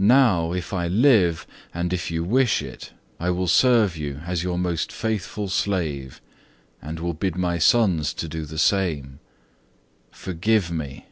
Now, if I live, and if you wish it, I will serve you as your most faithful slave, and will bid my sons do the same. Forgive me!"